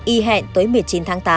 y hẹn tối một mươi chín tháng tám